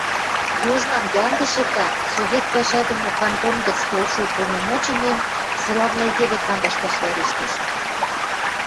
Южнам Яндышевлӓн совет пӓшӓ доно кантон гӹц толшы уполномоченныйым солавлӓ йӹде кандышташ вӓрештеш.